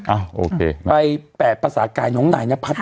อ้าวโอเคไปแปะประสาทใกล้ของนรไนณภัทรเหรอ